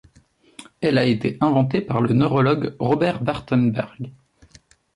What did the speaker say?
Elle a été inventée par le neurologue Robert Wartenberg.